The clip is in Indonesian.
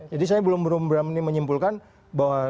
jadi saya belum berani menyimpulkan bahwa